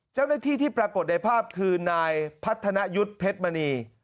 เจ้าหน้าที่ที่ปรากฏในภาพคือนายพัฒนายุทธ์เพชรมณี